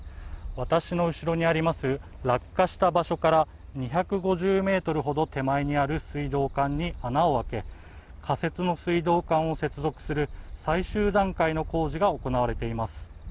私の後ろにあります、落下した場所から２５０メートルほど手前にある水道管に穴を開け、仮設の水道管を接続する最終段階の工事が行われています。